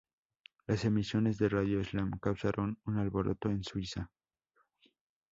Las emisiones de Radio Islam causaron un alboroto en Suecia.